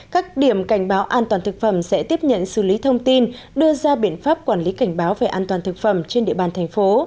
các điểm cảnh báo an toàn thực phẩm sẽ tiếp nhận xử lý thông tin đưa ra biện pháp quản lý cảnh báo về an toàn thực phẩm trên địa bàn thành phố